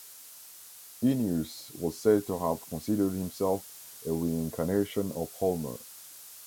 Ennius was said to have considered himself a reincarnation of Homer.